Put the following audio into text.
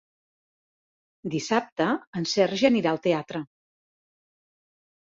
Dissabte en Sergi anirà al teatre.